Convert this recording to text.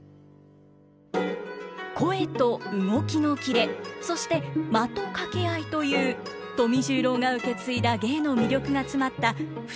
「声と動きのキレ」そして「間と掛け合い」という富十郎が受け継いだ芸の魅力が詰まった２つの演目をご覧ください。